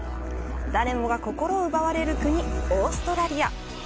誰もが心奪われる国オーストラリア。